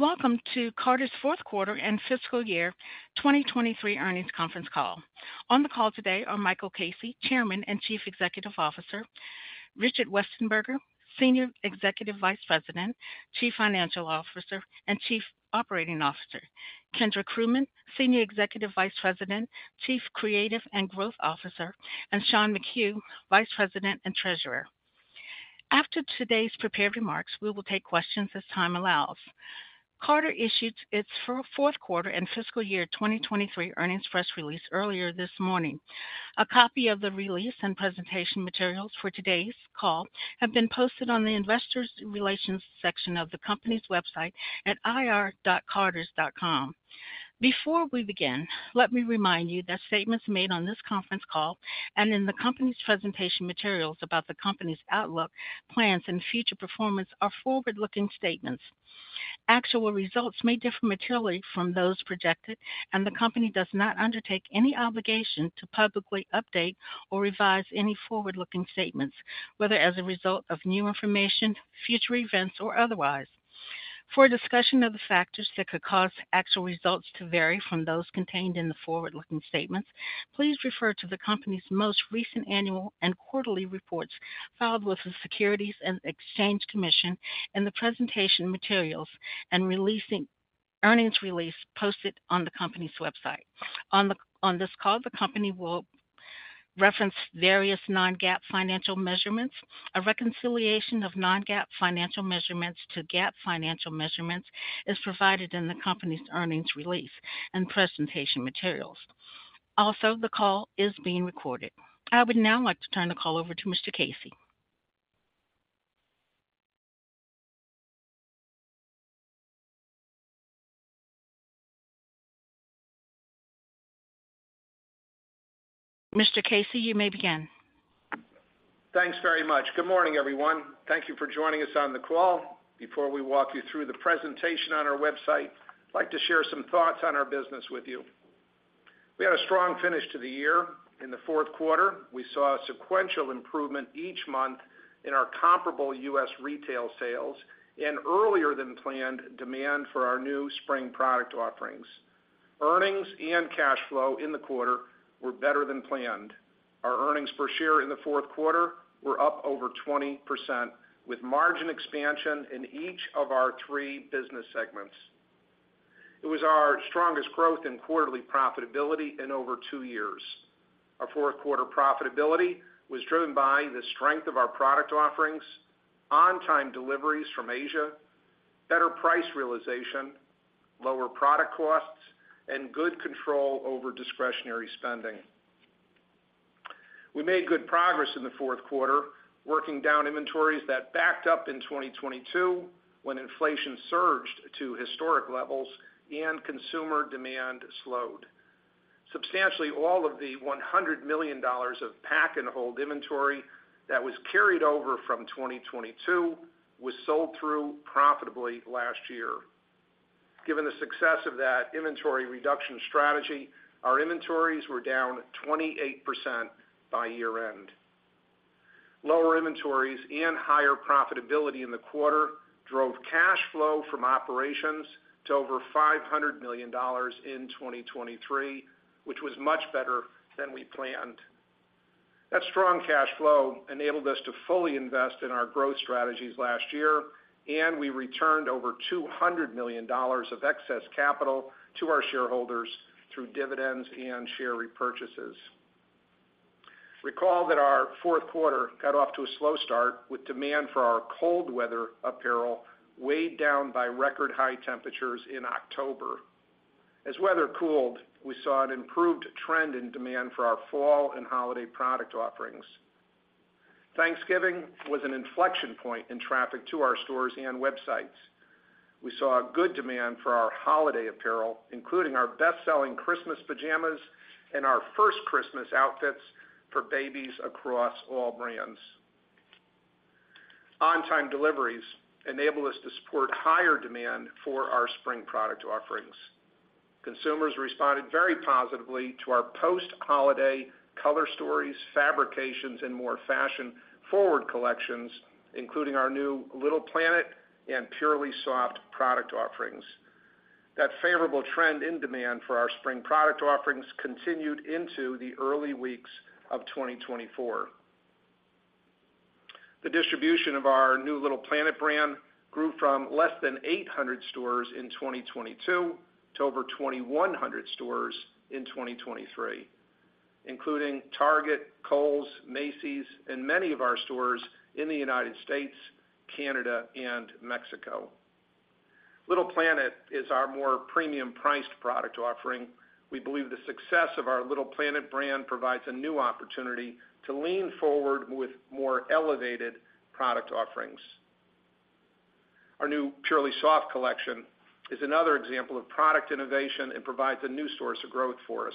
Welcome to Carter's fourth quarter and fiscal year 2023 earnings conference call. On the call today are Michael Casey, Chairman and Chief Executive Officer, Richard Westenberger, Senior Executive Vice President, Chief Financial Officer and Chief Operating Officer, Kendra Krugman, Senior Executive Vice President, Chief Creative and Growth Officer, and Sean McHugh, Vice President and Treasurer. After today's prepared remarks, we will take questions as time allows. Carter issued its fourth quarter and fiscal year 2023 earnings press release earlier this morning. A copy of the release and presentation materials for today's call have been posted on the Investor Relations section of the company's website at ir.carters.com. Before we begin, let me remind you that statements made on this conference call and in the company's presentation materials about the company's outlook, plans, and future performance are forward-looking statements. Actual results may differ materially from those projected, and the company does not undertake any obligation to publicly update or revise any forward-looking statements, whether as a result of new information, future events, or otherwise. For a discussion of the factors that could cause actual results to vary from those contained in the forward-looking statements, please refer to the company's most recent annual and quarterly reports filed with the Securities and Exchange Commission in the presentation materials and earnings release posted on the company's website. On this call, the company will reference various non-GAAP financial measurements. A reconciliation of non-GAAP financial measurements to GAAP financial measurements is provided in the company's earnings release and presentation materials. Also, the call is being recorded. I would now like to turn the call over to Mr. Casey. Mr. Casey, you may begin. Thanks very much. Good morning, everyone. Thank you for joining us on the call. Before we walk you through the presentation on our website, I'd like to share some thoughts on our business with you. We had a strong finish to the year. In the fourth quarter, we saw a sequential improvement each month in our comparable U.S. retail sales and earlier-than-planned demand for our new spring product offerings. Earnings and cash flow in the quarter were better than planned. Our earnings per share in the fourth quarter were up over 20%, with margin expansion in each of our three business segments. It was our strongest growth in quarterly profitability in over two years. Our fourth quarter profitability was driven by the strength of our product offerings, on-time deliveries from Asia, better price realization, lower product costs, and good control over discretionary spending. We made good progress in the fourth quarter, working down inventories that backed up in 2022 when inflation surged to historic levels and consumer demand slowed. Substantially, all of the $100 million of Pack-and-Hold inventory that was carried over from 2022 was sold through profitably last year. Given the success of that inventory reduction strategy, our inventories were down 28% by year-end. Lower inventories and higher profitability in the quarter drove cash flow from operations to over $500 million in 2023, which was much better than we planned. That strong cash flow enabled us to fully invest in our growth strategies last year, and we returned over $200 million of excess capital to our shareholders through dividends and share repurchases. Recall that our fourth quarter got off to a slow start, with demand for our cold-weather apparel weighed down by record-high temperatures in October. As weather cooled, we saw an improved trend in demand for our fall and holiday product offerings. Thanksgiving was an inflection point in traffic to our stores and websites. We saw good demand for our holiday apparel, including our best-selling Christmas pajamas and our First Christmas outfits for babies across all brands. On-time deliveries enabled us to support higher demand for our spring product offerings. Consumers responded very positively to our post-holiday color stories, fabrications, and more fashion forward collections, including our new Little Planet and PurelySoft product offerings. That favorable trend in demand for our spring product offerings continued into the early weeks of 2024. The distribution of our new Little Planet brand grew from less than 800 stores in 2022 to over 2,100 stores in 2023, including Target, Kohl's, Macy's, and many of our stores in the United States, Canada, and Mexico. Little Planet is our more premium-priced product offering. We believe the success of our Little Planet brand provides a new opportunity to lean forward with more elevated product offerings. Our new PurelySoft collection is another example of product innovation and provides a new source of growth for us.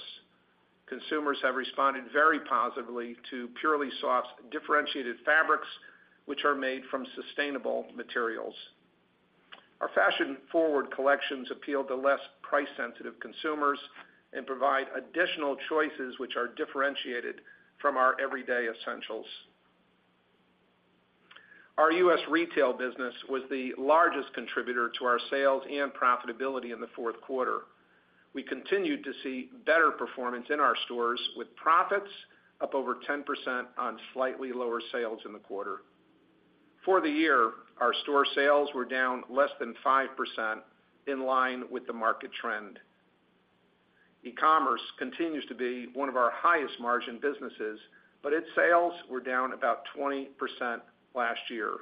Consumers have responded very positively to PurelySoft differentiated fabrics, which are made from sustainable materials. Our fashion forward collections appeal to less price-sensitive consumers and provide additional choices which are differentiated from our everyday essentials. Our U.S. retail business was the largest contributor to our sales and profitability in the fourth quarter. We continued to see better performance in our stores, with profits up over 10% on slightly lower sales in the quarter. For the year, our store sales were down less than 5%, in line with the market trend. e-commerce continues to be one of our highest-margin businesses, but its sales were down about 20% last year.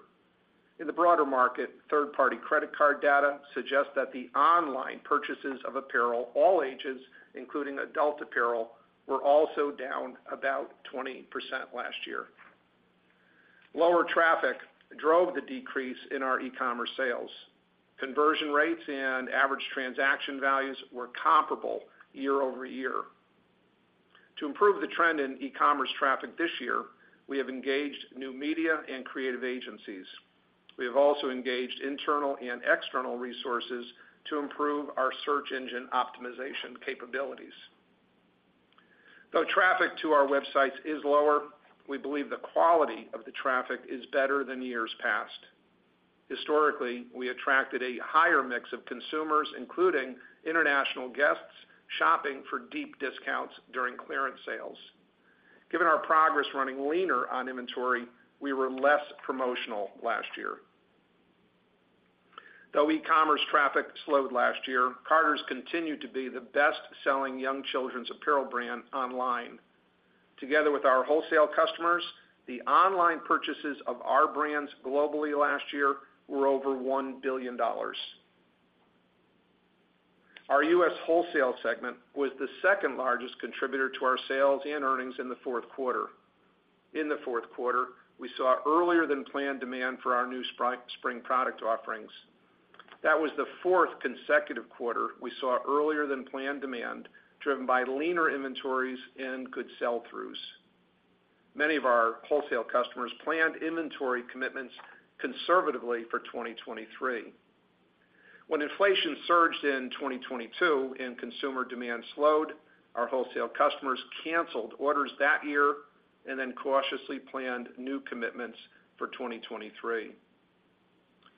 In the broader market, third-party credit card data suggests that the online purchases of apparel all ages, including adult apparel, were also down about 20% last year. Lower traffic drove the decrease in our e-commerce sales. Conversion rates and average transaction values were comparable year-over-year. To improve the trend in e-commerce traffic this year, we have engaged new media and creative agencies. We have also engaged internal and external resources to improve our search engine optimization capabilities. Though traffic to our websites is lower, we believe the quality of the traffic is better than years past. Historically, we attracted a higher mix of consumers, including international guests shopping for deep discounts during clearance sales. Given our progress running leaner on inventory, we were less promotional last year. Though e-commerce traffic slowed last year, Carter's continued to be the best-selling young children's apparel brand online. Together with our wholesale customers, the online purchases of our brands globally last year were over $1 billion. Our U.S. wholesale segment was the second-largest contributor to our sales and earnings in the fourth quarter. In the fourth quarter, we saw earlier-than-planned demand for our new spring product offerings. That was the fourth consecutive quarter we saw earlier-than-planned demand driven by leaner inventories and good sell-throughs. Many of our wholesale customers planned inventory commitments conservatively for 2023. When inflation surged in 2022 and consumer demand slowed, our wholesale customers canceled orders that year and then cautiously planned new commitments for 2023.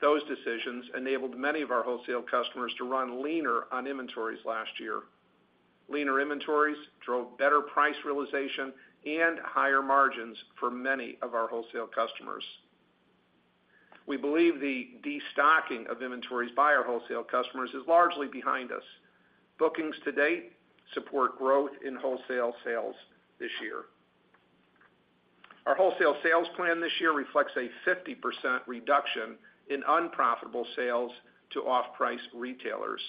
Those decisions enabled many of our wholesale customers to run leaner on inventories last year. Leaner inventories drove better price realization and higher margins for many of our wholesale customers. We believe the destocking of inventories by our wholesale customers is largely behind us. Bookings to date support growth in wholesale sales this year. Our wholesale sales plan this year reflects a 50% reduction in unprofitable sales to off-price retailers.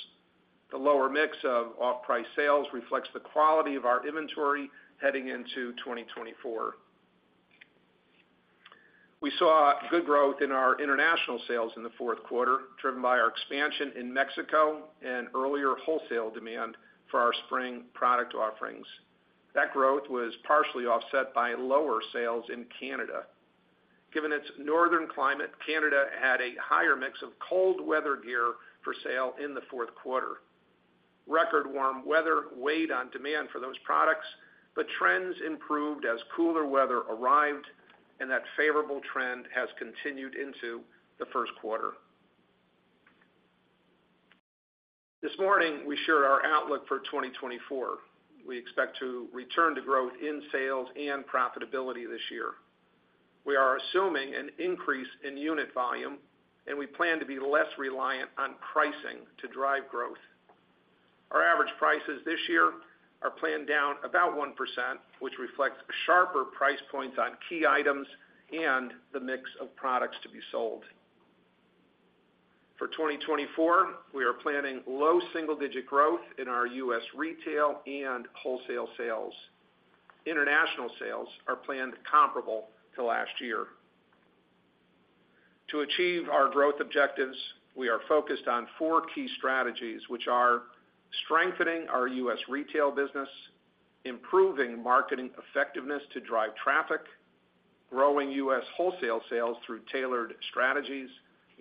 The lower mix of off-price sales reflects the quality of our inventory heading into 2024. We saw good growth in our international sales in the fourth quarter, driven by our expansion in Mexico and earlier wholesale demand for our spring product offerings. That growth was partially offset by lower sales in Canada. Given its northern climate, Canada had a higher mix of cold-weather gear for sale in the fourth quarter. Record-warm weather weighed on demand for those products, but trends improved as cooler weather arrived, and that favorable trend has continued into the first quarter. This morning, we shared our outlook for 2024. We expect to return to growth in sales and profitability this year. We are assuming an increase in unit volume, and we plan to be less reliant on pricing to drive growth. Our average prices this year are planned down about 1%, which reflects sharper price points on key items and the mix of products to be sold. For 2024, we are planning low single-digit growth in our U.S. retail and wholesale sales. International sales are planned comparable to last year. To achieve our growth objectives, we are focused on four key strategies, which are: strengthening our U.S. retail business, improving marketing effectiveness to drive traffic, growing U.S. wholesale sales through tailored strategies,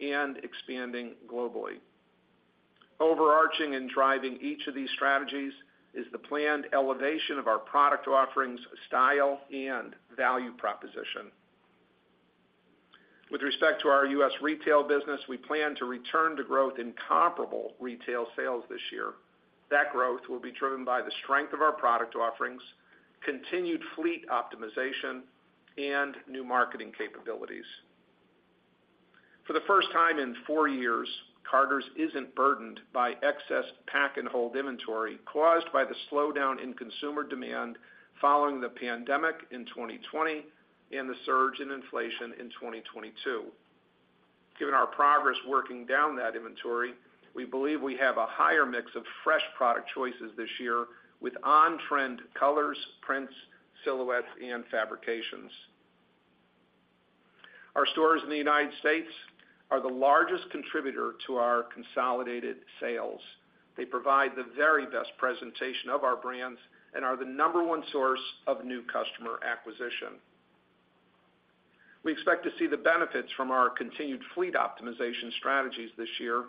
and expanding globally. Overarching and driving each of these strategies is the planned elevation of our product offerings' style and value proposition. With respect to our U.S. Retail business, we plan to return to growth in comparable retail sales this year. That growth will be driven by the strength of our product offerings, continued fleet optimization, and new marketing capabilities. For the first time in four years, Carter's isn't burdened by excess pack-and-hold inventory caused by the slowdown in consumer demand following the pandemic in 2020 and the surge in inflation in 2022. Given our progress working down that inventory, we believe we have a higher mix of fresh product choices this year, with on-trend colors, prints, silhouettes, and fabrications. Our stores in the United States are the largest contributor to our consolidated sales. They provide the very best presentation of our brands and are the number one source of new customer acquisition. We expect to see the benefits from our continued fleet optimization strategies this year.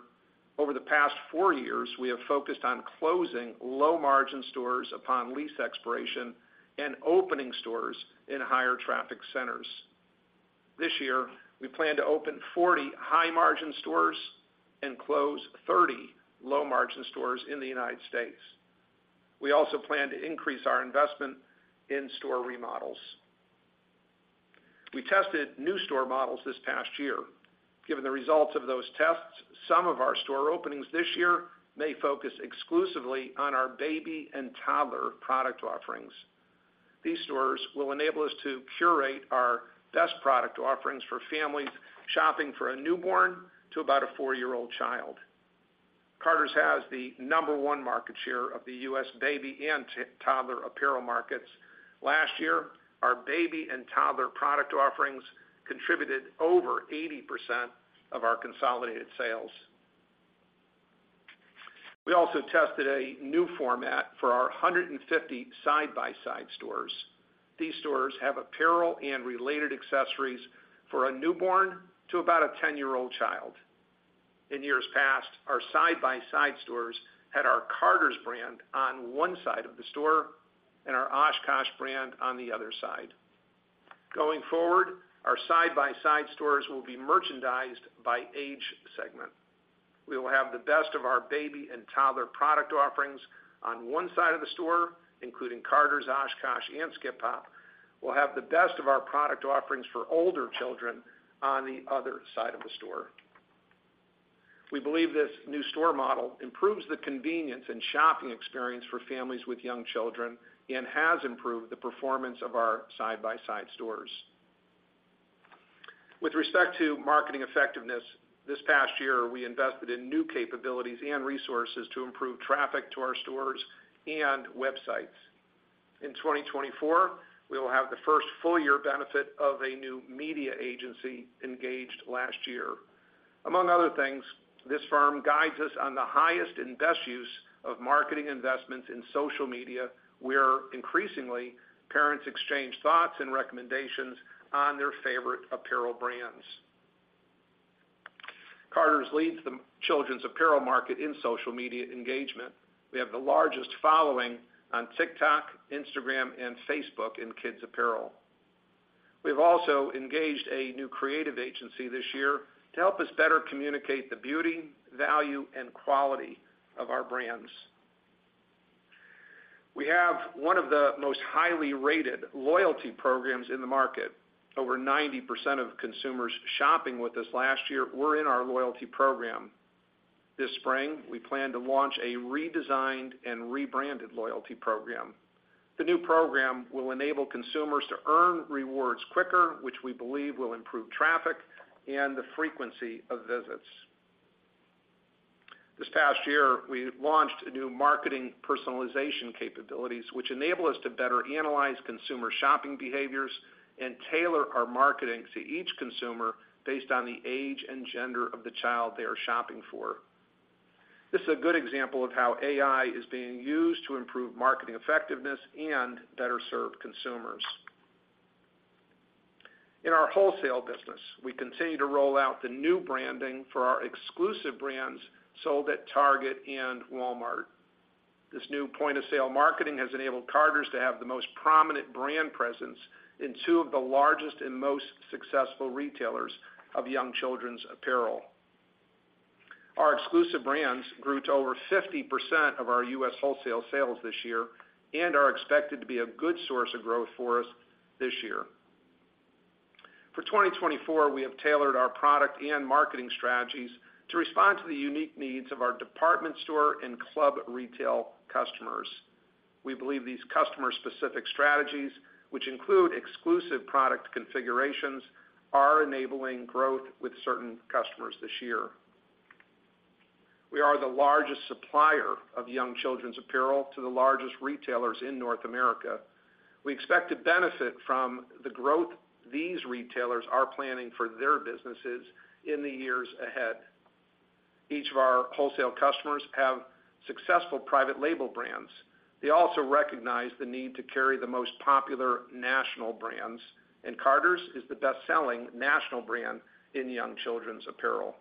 Over the past four years, we have focused on closing low-margin stores upon lease expiration and opening stores in higher-traffic centers. This year, we plan to open 40 high-margin stores and close 30 low-margin stores in the United States. We also plan to increase our investment in store remodels. We tested new store models this past year. Given the results of those tests, some of our store openings this year may focus exclusively on our baby and toddler product offerings. These stores will enable us to curate our best product offerings for families shopping for a newborn to about a four-year-old child. Carter's has the number one market share of the U.S. baby and toddler apparel markets. Last year, our baby and toddler product offerings contributed over 80% of our consolidated sales. We also tested a new format for our 150 side-by-side stores. These stores have apparel and related accessories for a newborn to about a 10-year-old child. In years past, our side-by-side stores had our Carter's brand on one side of the store and our OshKosh brand on the other side. Going forward, our side-by-side stores will be merchandised by age segment. We will have the best of our baby and toddler product offerings on one side of the store, including Carter's, OshKosh, and Skip Hop. We'll have the best of our product offerings for older children on the other side of the store. We believe this new store model improves the convenience and shopping experience for families with young children and has improved the performance of our side-by-side stores. With respect to marketing effectiveness, this past year we invested in new capabilities and resources to improve traffic to our stores and websites. In 2024, we will have the first full-year benefit of a new media agency engaged last year. Among other things, this firm guides us on the highest and best use of marketing investments in social media, where, increasingly, parents exchange thoughts and recommendations on their favorite apparel brands. Carter's leads the children's apparel market in social media engagement. We have the largest following on TikTok, Instagram, and Facebook in kids' apparel. We have also engaged a new creative agency this year to help us better communicate the beauty, value, and quality of our brands. We have one of the most highly rated loyalty programs in the market. Over 90% of consumers shopping with us last year were in our loyalty program. This spring, we plan to launch a redesigned and rebranded loyalty program. The new program will enable consumers to earn rewards quicker, which we believe will improve traffic and the frequency of visits. This past year, we launched new marketing personalization capabilities, which enable us to better analyze consumer shopping behaviors and tailor our marketing to each consumer based on the age and gender of the child they are shopping for. This is a good example of how AI is being used to improve marketing effectiveness and better serve consumers. In our wholesale business, we continue to roll out the new branding for our exclusive brands sold at Target and Walmart. This new point-of-sale marketing has enabled Carter's to have the most prominent brand presence in two of the largest and most successful retailers of young children's apparel. Our exclusive brands grew to over 50% of our U.S. Wholesale sales this year and are expected to be a good source of growth for us this year. For 2024, we have tailored our product and marketing strategies to respond to the unique needs of our department store and club retail customers. We believe these customer-specific strategies, which include exclusive product configurations, are enabling growth with certain customers this year. We are the largest supplier of young children's apparel to the largest retailers in North America. We expect to benefit from the growth these retailers are planning for their businesses in the years ahead. Each of our wholesale customers have successful private label brands. They also recognize the need to carry the most popular national brands, and Carter's is the best-selling national brand in young children's apparel.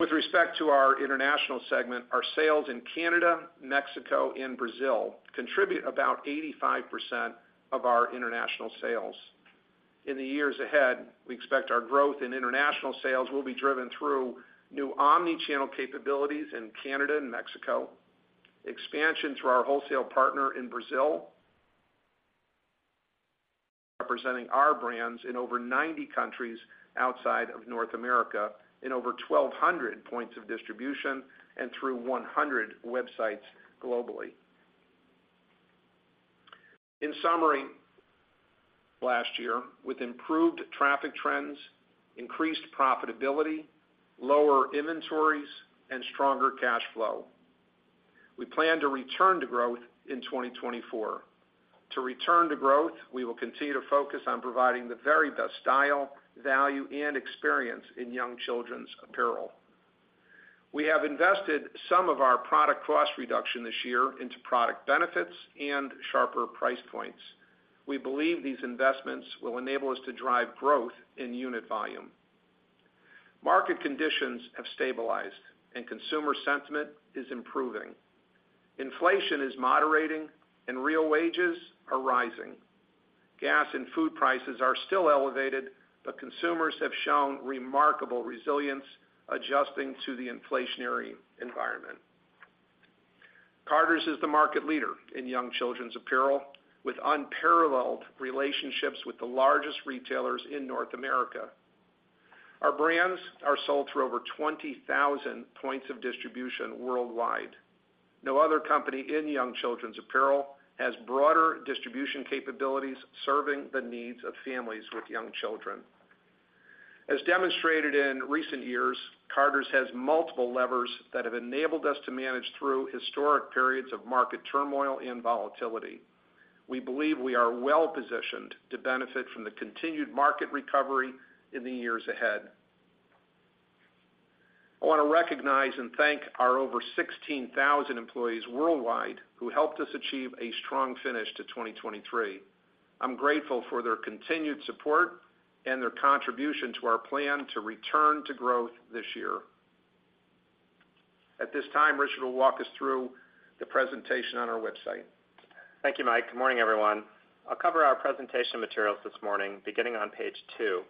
With respect to our international segment, our sales in Canada, Mexico, and Brazil contribute about 85% of our international sales. In the years ahead, we expect our growth in international sales will be driven through new omnichannel capabilities in Canada and Mexico, expansion through our wholesale partner in Brazil representing our brands in over 90 countries outside of North America, in over 1,200 points of distribution, and through 100 websites globally. In summary, last year, with improved traffic trends, increased profitability, lower inventories, and stronger cash flow, we plan to return to growth in 2024. To return to growth, we will continue to focus on providing the very best style, value, and experience in young children's apparel. We have invested some of our product cost reduction this year into product benefits and sharper price points. We believe these investments will enable us to drive growth in unit volume. Market conditions have stabilized, and consumer sentiment is improving. Inflation is moderating, and real wages are rising. Gas and food prices are still elevated, but consumers have shown remarkable resilience adjusting to the inflationary environment. Carter's is the market leader in young children's apparel, with unparalleled relationships with the largest retailers in North America. Our brands are sold through over 20,000 points of distribution worldwide. No other company in young children's apparel has broader distribution capabilities serving the needs of families with young children. As demonstrated in recent years, Carter's has multiple levers that have enabled us to manage through historic periods of market turmoil and volatility. We believe we are well-positioned to benefit from the continued market recovery in the years ahead. I want to recognize and thank our over 16,000 employees worldwide who helped us achieve a strong finish to 2023. I'm grateful for their continued support and their contribution to our plan to return to growth this year. At this time, Richard will walk us through the presentation on our website. Thank you, Mike. Good morning, everyone. I'll cover our presentation materials this morning, beginning on page two.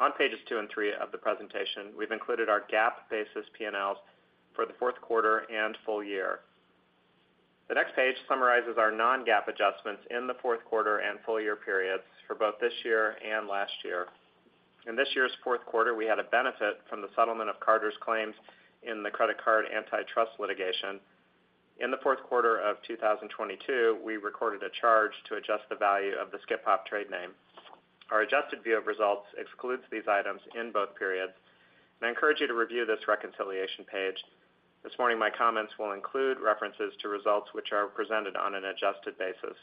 On pages two and three of the presentation, we've included our GAAP-basis P&Ls for the fourth quarter and full year. The next page summarizes our non-GAAP adjustments in the fourth quarter and full-year periods for both this year and last year. In this year's fourth quarter, we had a benefit from the settlement of Carter's claims in the credit card antitrust litigation. In the fourth quarter of 2022, we recorded a charge to adjust the value of the Skip Hop trade name. Our adjusted view of results excludes these items in both periods. I encourage you to review this reconciliation page. This morning, my comments will include references to results which are presented on an adjusted basis.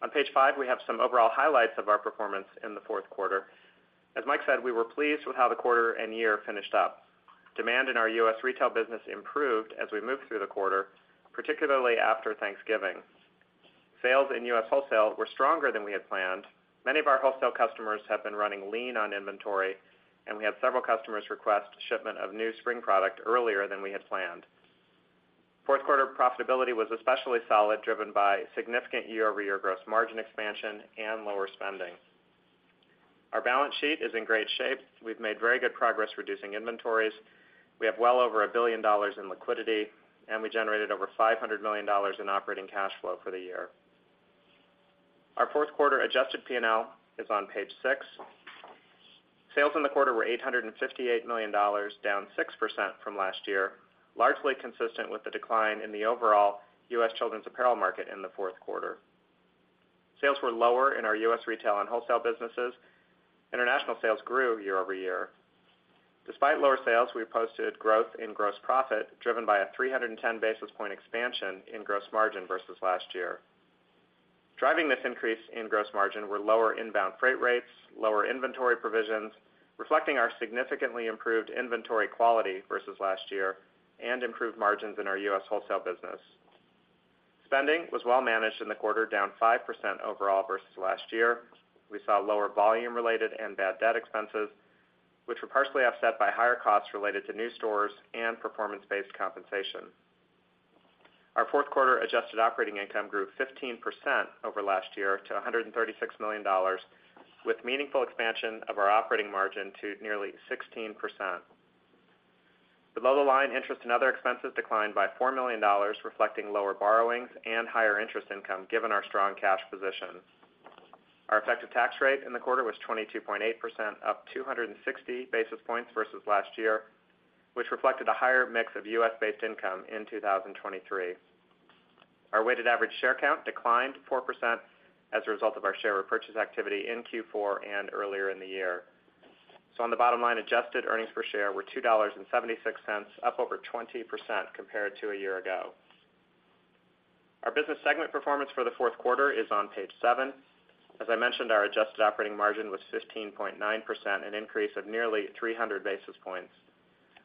On page five, we have some overall highlights of our performance in the fourth quarter. As Mike said, we were pleased with how the quarter and year finished up. Demand in our U.S. retail business improved as we moved through the quarter, particularly after Thanksgiving. Sales in U.S. wholesale were stronger than we had planned. Many of our wholesale customers have been running lean on inventory, and we had several customers request shipment of new spring product earlier than we had planned. Fourth quarter profitability was especially solid, driven by significant year-over-year gross margin expansion and lower spending. Our balance sheet is in great shape. We've made very good progress reducing inventories. We have well over $1 billion in liquidity, and we generated over $500 million in operating cash flow for the year. Our fourth quarter adjusted P&L is on page 6. Sales in the quarter were $858 million, down 6% from last year, largely consistent with the decline in the overall U.S. children's apparel market in the fourth quarter. Sales were lower in our U.S. retail and wholesale businesses. International sales grew year-over-year. Despite lower sales, we posted growth in gross profit, driven by a 310 basis points expansion in gross margin versus last year. Driving this increase in gross margin were lower inbound freight rates, lower inventory provisions, reflecting our significantly improved inventory quality versus last year, and improved margins in our U.S. wholesale business. Spending was well-managed in the quarter, down 5% overall versus last year. We saw lower volume-related and bad debt expenses, which were partially offset by higher costs related to new stores and performance-based compensation. Our fourth quarter adjusted operating income grew 15% over last year to $136 million, with meaningful expansion of our operating margin to nearly 16%. Below the line, interest and other expenses declined by $4 million, reflecting lower borrowings and higher interest income given our strong cash position. Our effective tax rate in the quarter was 22.8%, up 260 basis points versus last year, which reflected a higher mix of U.S.-based income in 2023. Our weighted average share count declined 4% as a result of our share repurchase activity in Q4 and earlier in the year. So, on the bottom line, adjusted earnings per share were $2.76, up over 20% compared to a year ago. Our business segment performance for the fourth quarter is on page seven. As I mentioned, our adjusted operating margin was 15.9%, an increase of nearly 300 basis points.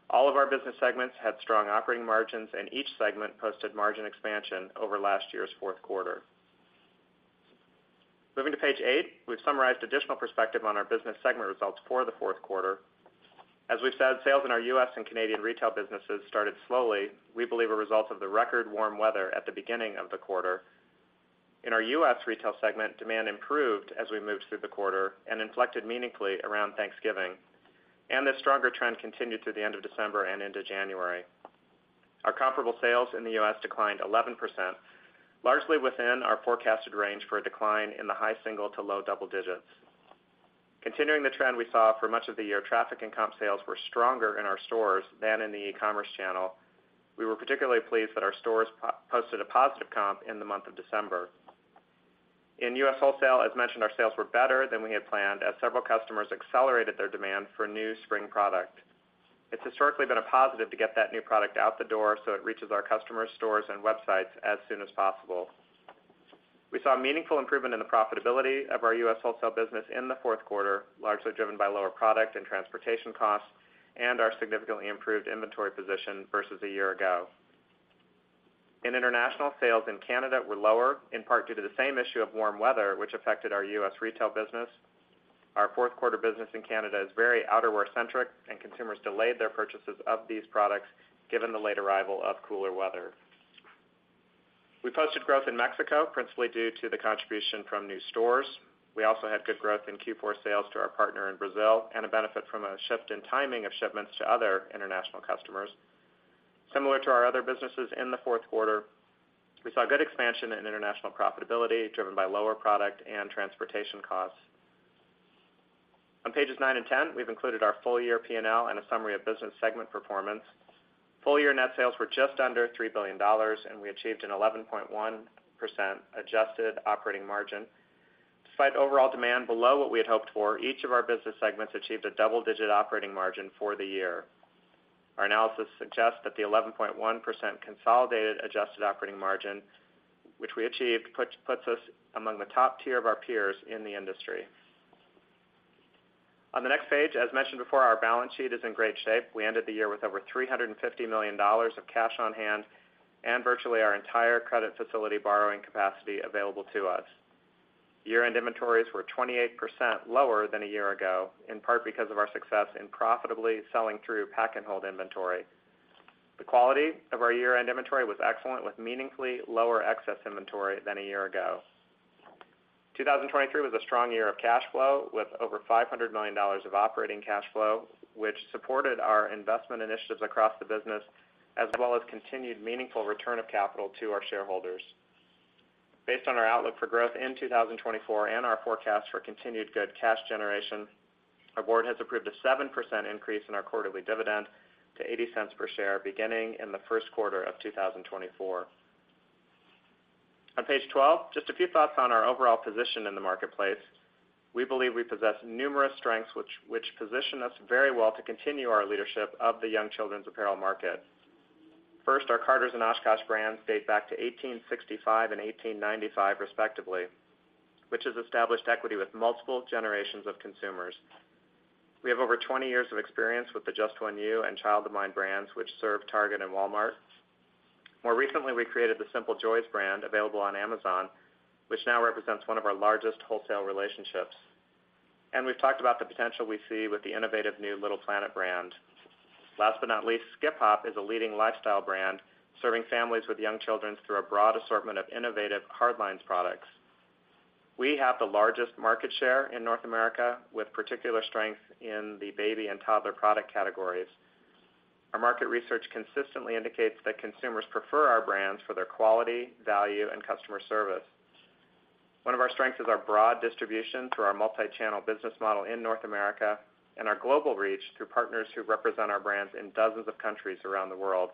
All of our business segments had strong operating margins, and each segment posted margin expansion over last year's fourth quarter. Moving to page eight, we've summarized additional perspective on our business segment results for the fourth quarter. As we've said, sales in our U.S. and Canadian retail businesses started slowly. We believe a result of the record warm weather at the beginning of the quarter. In our U.S. retail segment, demand improved as we moved through the quarter and inflected meaningfully around Thanksgiving. This stronger trend continued through the end of December and into January. Our comparable sales in the U.S. declined 11%, largely within our forecasted range for a decline in the high single to low double digits. Continuing the trend we saw for much of the year, traffic and comp sales were stronger in our stores than in the e-commerce channel. We were particularly pleased that our stores posted a positive comp in the month of December. In U.S. wholesale, as mentioned, our sales were better than we had planned as several customers accelerated their demand for new spring product. It's historically been a positive to get that new product out the door so it reaches our customers' stores and websites as soon as possible. We saw meaningful improvement in the profitability of our U.S. wholesale business in the fourth quarter, largely driven by lower product and transportation costs, and our significantly improved inventory position versus a year ago. In international sales in Canada were lower, in part due to the same issue of warm weather, which affected our U.S. retail business. Our fourth quarter business in Canada is very outerwear-centric, and consumers delayed their purchases of these products given the late arrival of cooler weather. We posted growth in Mexico, principally due to the contribution from new stores. We also had good growth in Q4 sales to our partner in Brazil and a benefit from a shift in timing of shipments to other international customers. Similar to our other businesses in the fourth quarter, we saw good expansion in international profitability driven by lower product and transportation costs. On pages 9 and 10, we've included our full-year P&L and a summary of business segment performance. Full-year net sales were just under $3 billion, and we achieved an 11.1% adjusted operating margin. Despite overall demand below what we had hoped for, each of our business segments achieved a double-digit operating margin for the year. Our analysis suggests that the 11.1% consolidated adjusted operating margin, which we achieved, puts us among the top tier of our peers in the industry. On the next page, as mentioned before, our balance sheet is in great shape. We ended the year with over $350 million of cash on hand and virtually our entire credit facility borrowing capacity available to us. Year-end inventories were 28% lower than a year ago, in part because of our success in profitably selling through pack-and-hold inventory. The quality of our year-end inventory was excellent, with meaningfully lower excess inventory than a year ago. 2023 was a strong year of cash flow, with over $500 million of operating cash flow, which supported our investment initiatives across the business as well as continued meaningful return of capital to our shareholders. Based on our outlook for growth in 2024 and our forecast for continued good cash generation, our board has approved a 7% increase in our quarterly dividend to $0.80 per share, beginning in the first quarter of 2024. On page 12, just a few thoughts on our overall position in the marketplace. We believe we possess numerous strengths which position us very well to continue our leadership of the young children's apparel market. First, our Carter's and OshKosh brands date back to 1865 and 1895, respectively, which has established equity with multiple generations of consumers. We have over 20 years of experience with the Just One You and Child of Mine brands, which serve Target and Walmart. More recently, we created the Simple Joys brand, available on Amazon, which now represents one of our largest wholesale relationships. And we've talked about the potential we see with the innovative new Little Planet brand. Last but not least, Skip Hop is a leading lifestyle brand serving families with young children through a broad assortment of innovative hardlines products. We have the largest market share in North America, with particular strength in the baby and toddler product categories. Our market research consistently indicates that consumers prefer our brands for their quality, value, and customer service. One of our strengths is our broad distribution through our multi-channel business model in North America and our global reach through partners who represent our brands in dozens of countries around the world.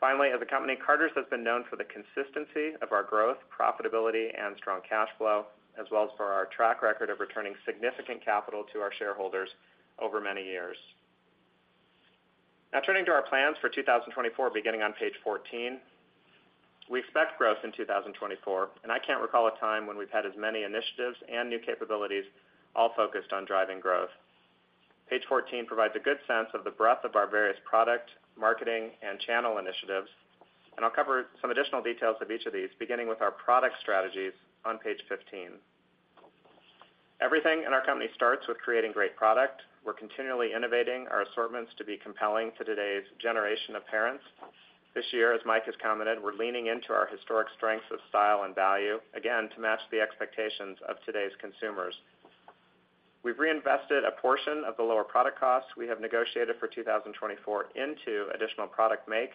Finally, as a company, Carter's has been known for the consistency of our growth, profitability, and strong cash flow, as well as for our track record of returning significant capital to our shareholders over many years. Now, turning to our plans for 2024, beginning on page 14, we expect growth in 2024, and I can't recall a time when we've had as many initiatives and new capabilities all focused on driving growth. Page 14 provides a good sense of the breadth of our various product, marketing, and channel initiatives, and I'll cover some additional details of each of these, beginning with our product strategies on page 15. Everything in our company starts with creating great product. We're continually innovating our assortments to be compelling to today's generation of parents. This year, as Mike has commented, we're leaning into our historic strengths of style and value, again, to match the expectations of today's consumers. We've reinvested a portion of the lower product costs we have negotiated for 2024 into additional product make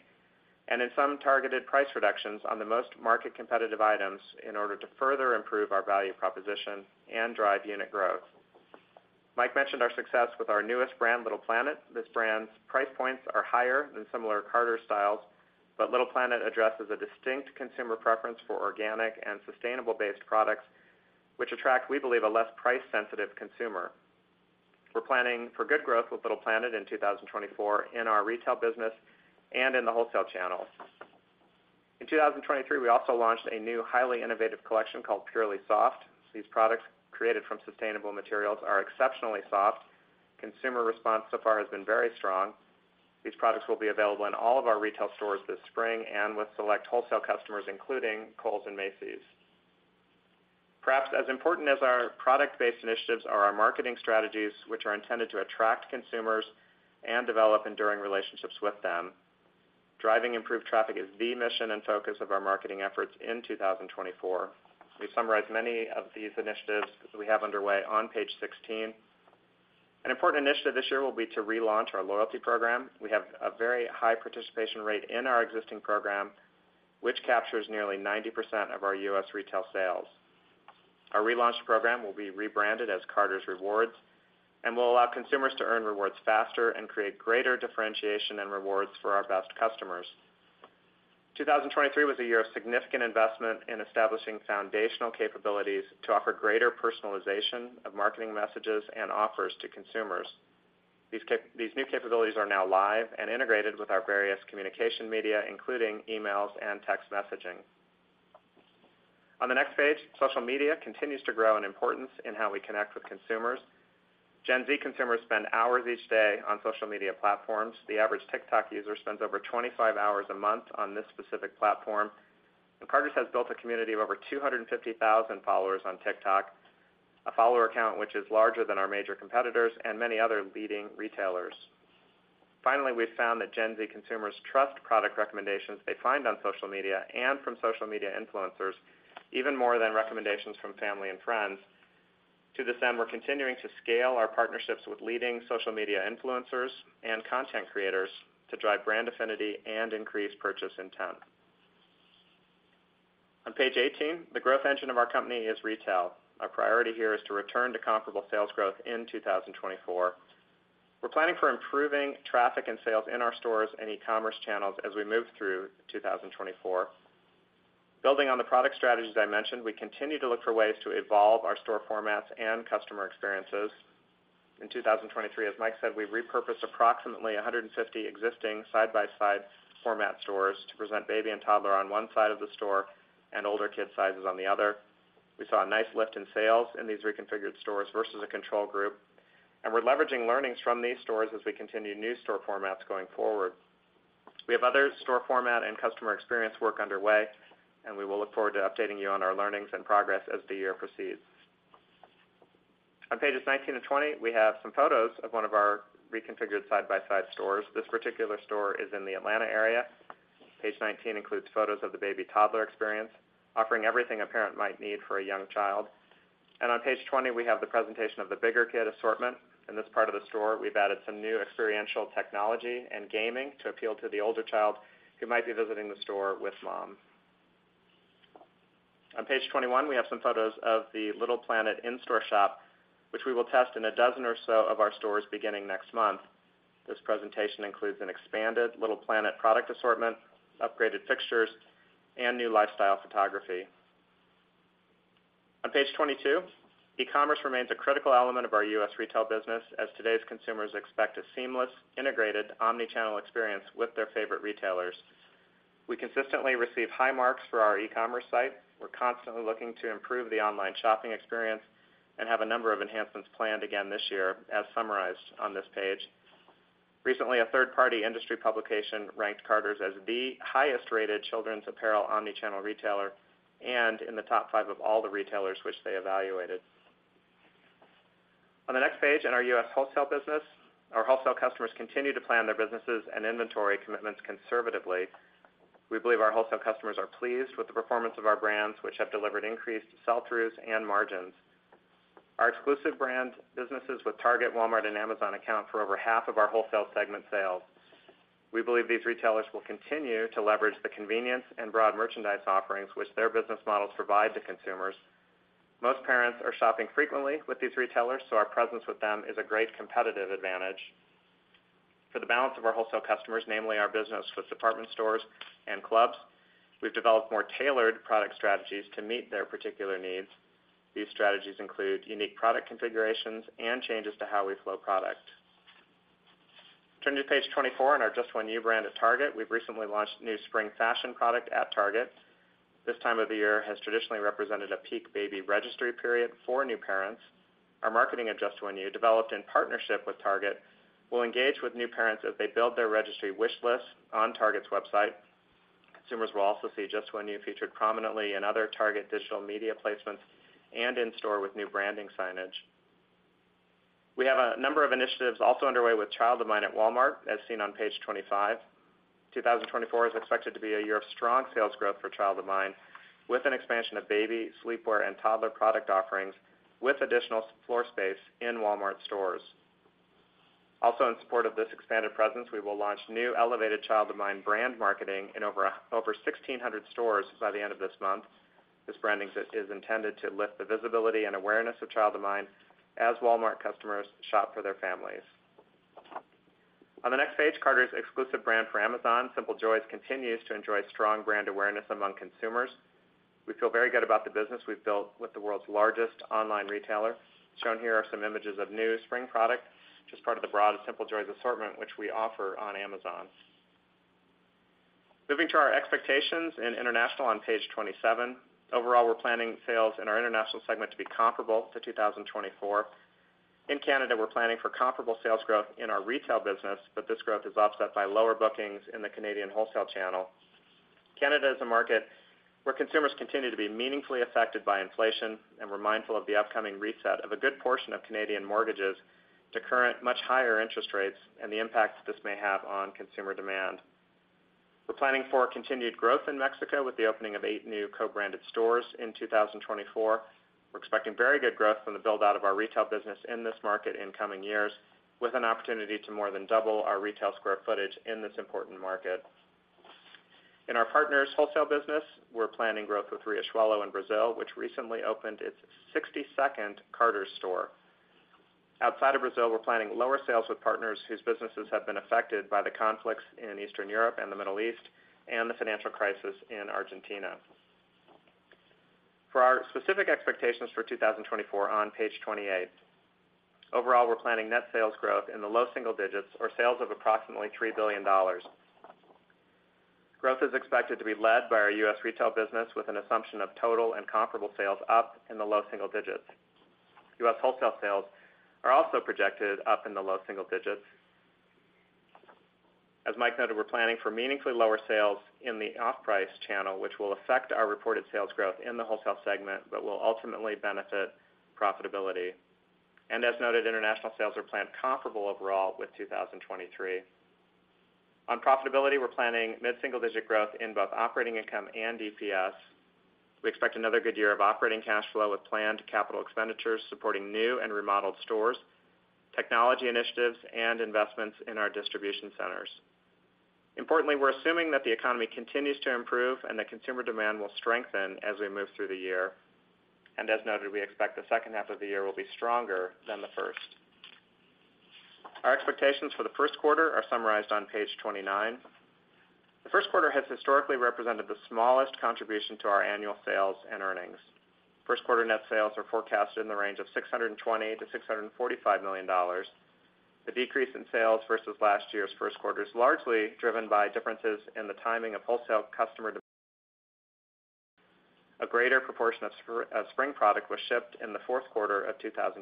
and in some targeted price reductions on the most market-competitive items in order to further improve our value proposition and drive unit growth. Mike mentioned our success with our newest brand, Little Planet. This brand's price points are higher than similar Carter's styles, but Little Planet addresses a distinct consumer preference for organic and sustainable-based products, which attract, we believe, a less price-sensitive consumer. We're planning for good growth with Little Planet in 2024 in our retail business and in the wholesale channel. In 2023, we also launched a new highly innovative collection called PurelySoft. These products, created from sustainable materials, are exceptionally soft. Consumer response so far has been very strong. These products will be available in all of our retail stores this spring and with select wholesale customers, including Kohl's and Macy's. Perhaps as important as our product-based initiatives are our marketing strategies, which are intended to attract consumers and develop enduring relationships with them. Driving improved traffic is the mission and focus of our marketing efforts in 2024. We summarize many of these initiatives that we have underway on page 16. An important initiative this year will be to relaunch our loyalty program. We have a very high participation rate in our existing program, which captures nearly 90% of our U.S. retail sales. Our relaunch program will be rebranded as Carter's Rewards, and we'll allow consumers to earn rewards faster and create greater differentiation and rewards for our best customers. 2023 was a year of significant investment in establishing foundational capabilities to offer greater personalization of marketing messages and offers to consumers. These new capabilities are now live and integrated with our various communication media, including emails and text messaging. On the next page, social media continues to grow in importance in how we connect with consumers. Gen Z consumers spend hours each day on social media platforms. The average TikTok user spends over 25 hours a month on this specific platform. Carter's has built a community of over 250,000 followers on TikTok, a follower account which is larger than our major competitors and many other leading retailers. Finally, we've found that Gen Z consumers trust product recommendations they find on social media and from social media influencers even more than recommendations from family and friends. To this end, we're continuing to scale our partnerships with leading social media influencers and content creators to drive brand affinity and increase purchase intent. On page 18, the growth engine of our company is retail. Our priority here is to return to comparable sales growth in 2024. We're planning for improving traffic and sales in our stores and e-commerce channels as we move through 2024. Building on the product strategies I mentioned, we continue to look for ways to evolve our store formats and customer experiences. In 2023, as Mike said, we repurposed approximately 150 existing side-by-side format stores to present baby and toddler on one side of the store and older kid sizes on the other. We saw a nice lift in sales in these reconfigured stores versus a control group. We're leveraging learnings from these stores as we continue new store formats going forward. We have other store format and customer experience work underway, and we will look forward to updating you on our learnings and progress as the year proceeds. On pages 19 and 20, we have some photos of one of our reconfigured side-by-side stores. This particular store is in the Atlanta area. Page 19 includes photos of the baby toddler experience, offering everything a parent might need for a young child. On page 20, we have the presentation of the bigger kid assortment. In this part of the store, we've added some new experiential technology and gaming to appeal to the older child who might be visiting the store with mom. On page 21, we have some photos of the Little Planet in-store shop, which we will test in 12 or so of our stores beginning next month. This presentation includes an expanded Little Planet product assortment, upgraded fixtures, and new lifestyle photography. On page 22, e-commerce remains a critical element of our U.S. retail business as today's consumers expect a seamless, integrated, omnichannel experience with their favorite retailers. We consistently receive high marks for our e-commerce site. We're constantly looking to improve the online shopping experience and have a number of enhancements planned again this year, as summarized on this page. Recently, a third-party industry publication ranked Carter's as the highest-rated children's apparel omnichannel retailer and in the top five of all the retailers which they evaluated. On the next page, in our U.S. wholesale business, our wholesale customers continue to plan their businesses and inventory commitments conservatively. We believe our wholesale customers are pleased with the performance of our brands, which have delivered increased sell-throughs and margins. Our exclusive brand businesses with Target, Walmart, and Amazon account for over half of our wholesale segment sales. We believe these retailers will continue to leverage the convenience and broad merchandise offerings which their business models provide to consumers. Most parents are shopping frequently with these retailers, so our presence with them is a great competitive advantage. For the balance of our wholesale customers, namely our business with department stores and clubs, we've developed more tailored product strategies to meet their particular needs. These strategies include unique product configurations and changes to how we flow product. Turning to page 24 in our Just One You brand at Target, we've recently launched new spring fashion product at Target. This time of the year has traditionally represented a peak baby registry period for new parents. Our marketing at Just One You, developed in partnership with Target, will engage with new parents as they build their registry wish list on Target's website. Consumers will also see Just One You featured prominently in other Target digital media placements and in-store with new branding signage. We have a number of initiatives also underway with Child of Mine at Walmart, as seen on page 25. 2024 is expected to be a year of strong sales growth for Child of Mine, with an expansion of baby, sleepwear, and toddler product offerings, with additional floor space in Walmart stores. Also, in support of this expanded presence, we will launch new elevated Child of Mine brand marketing in over 1,600 stores by the end of this month. This branding is intended to lift the visibility and awareness of Child of Mine as Walmart customers shop for their families. On the next page, Carter's exclusive brand for Amazon, Simple Joys, continues to enjoy strong brand awareness among consumers. We feel very good about the business we've built with the world's largest online retailer. Shown here are some images of new spring product, just part of the broad Simple Joys assortment which we offer on Amazon. Moving to our expectations in international on page 27. Overall, we're planning sales in our international segment to be comparable to 2024. In Canada, we're planning for comparable sales growth in our retail business, but this growth is offset by lower bookings in the Canadian wholesale channel. Canada is a market where consumers continue to be meaningfully affected by inflation and we're mindful of the upcoming reset of a good portion of Canadian mortgages to current, much higher interest rates and the impact this may have on consumer demand. We're planning for continued growth in Mexico with the opening of eight new co-branded stores in 2024. We're expecting very good growth from the build-out of our retail business in this market in coming years, with an opportunity to more than double our retail square footage in this important market. In our partner's wholesale business, we're planning growth with Riachuelo in Brazil, which recently opened its 62nd Carter's store. Outside of Brazil, we're planning lower sales with partners whose businesses have been affected by the conflicts in Eastern Europe and the Middle East and the financial crisis in Argentina. For our specific expectations for 2024 on page 28. Overall, we're planning net sales growth in the low single digits or sales of approximately $3 billion. Growth is expected to be led by our U.S. retail business with an assumption of total and comparable sales up in the low single digits. U.S. wholesale sales are also projected up in the low single digits. As Mike noted, we're planning for meaningfully lower sales in the off-price channel, which will affect our reported sales growth in the wholesale segment but will ultimately benefit profitability. As noted, international sales are planned comparable overall with 2023. On profitability, we're planning mid-single-digit growth in both operating income and EPS. We expect another good year of operating cash flow with planned capital expenditures supporting new and remodeled stores, technology initiatives, and investments in our distribution centers. Importantly, we're assuming that the economy continues to improve and that consumer demand will strengthen as we move through the year. As noted, we expect the second half of the year will be stronger than the first. Our expectations for the first quarter are summarized on page 29. The first quarter has historically represented the smallest contribution to our annual sales and earnings. First quarter net sales are forecasted in the range of $620 million-$645 million. The decrease in sales versus last year's first quarter is largely driven by differences in the timing of wholesale customer demand. A greater proportion of spring product was shipped in the fourth quarter of 2023,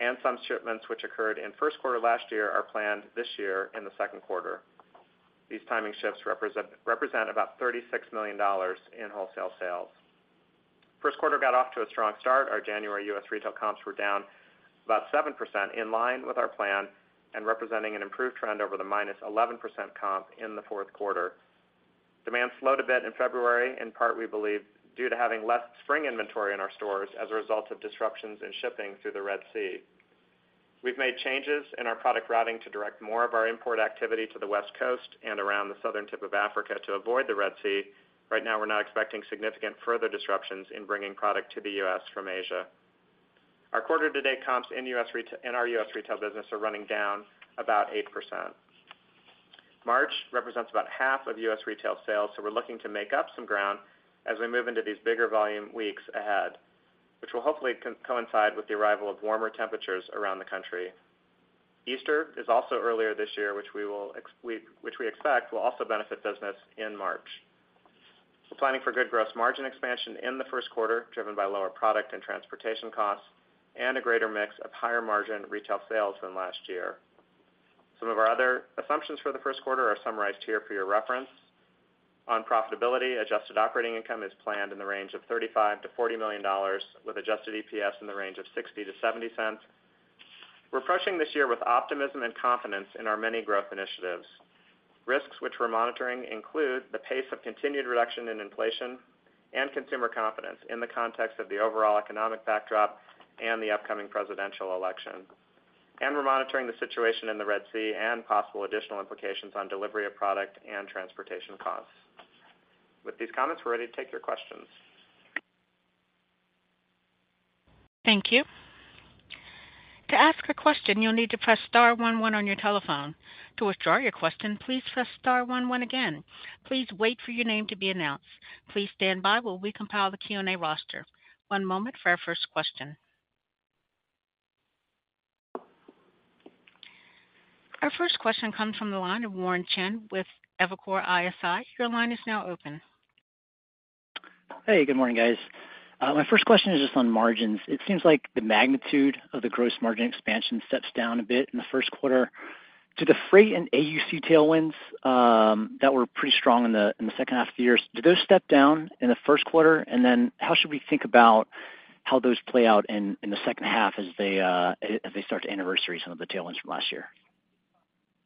and some shipments which occurred in first quarter last year are planned this year in the second quarter. These timing shifts represent about $36 million in wholesale sales. First quarter got off to a strong start. Our January U.S. retail comps were down about 7% in line with our plan and representing an improved trend over the -11% comp in the fourth quarter. Demand slowed a bit in February, in part we believe due to having less spring inventory in our stores as a result of disruptions in shipping through the Red Sea. We've made changes in our product routing to direct more of our import activity to the West Coast and around the southern tip of Africa to avoid the Red Sea. Right now, we're not expecting significant further disruptions in bringing product to the U.S. from Asia. Our quarter-to-date comps in our U.S. retail business are running down about 8%. March represents about half of U.S. retail sales, so we're looking to make up some ground as we move into these bigger volume weeks ahead, which will hopefully coincide with the arrival of warmer temperatures around the country. Easter is also earlier this year, which we expect will also benefit business in March. We're planning for good gross margin expansion in the first quarter, driven by lower product and transportation costs, and a greater mix of higher margin retail sales than last year. Some of our other assumptions for the first quarter are summarized here for your reference. On profitability, adjusted operating income is planned in the range of $35 million-$40 million, with adjusted EPS in the range of $0.60-$0.70. We're approaching this year with optimism and confidence in our many growth initiatives. Risks which we're monitoring include the pace of continued reduction in inflation and consumer confidence in the context of the overall economic backdrop and the upcoming presidential election. And we're monitoring the situation in the Red Sea and possible additional implications on delivery of product and transportation costs. With these comments, we're ready to take your questions. Thank you. To ask a question, you'll need to press star one one on your telephone. To withdraw your question, please press star one one again. Please wait for your name to be announced. Please stand by while we compile the Q&A roster. One moment for our first question. Our first question comes from the line of Warren Cheng with Evercore ISI. Your line is now open. Hey, good morning, guys. My first question is just on margins. It seems like the magnitude of the gross margin expansion steps down a bit in the first quarter. Did the freight and AUC tailwinds, that were pretty strong in the second half of the year, step down in the first quarter? And then how should we think about how those play out in the second half as they start to anniversary some of the tailwinds from last year?